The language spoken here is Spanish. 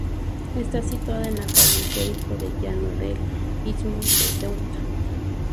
Está situada en la calle Queipo de Llano del istmo de Ceuta.